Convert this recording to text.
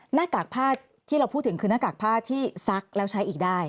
หน้ากากผ้าที่เราพูดถึงคือหน้ากากผ้าที่ซักแล้วใช้อีกได้